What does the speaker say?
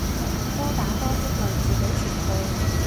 多打多積累自己詞庫